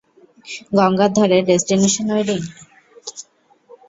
গঙ্গার ধারে, destination wedding?